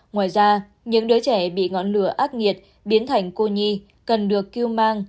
ngoài ra những đứa trẻ bị ngọn lửa ác nghiệt biến thành cô nhi cần được cứu mang